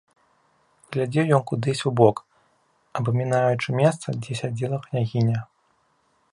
Глядзеў ён кудысь убок, абмінаючы месца, дзе сядзела княгіня.